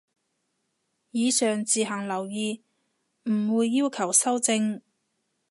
以上自行留意，唔會要求修正